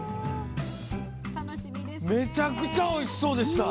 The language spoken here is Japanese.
めちゃくちゃおいしそうでした。